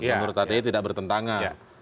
menurut saya tidak bertentangan